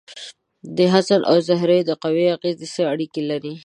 د حسن او زهرې د قوو اغیزې څه اړیکې لري؟